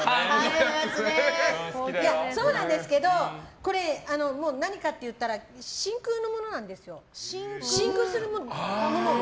そうなんですけど何かっていったら真空にするものなんですよ。